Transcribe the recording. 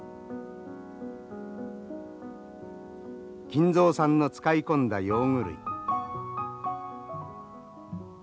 金蔵さんの使い込んだ用具類。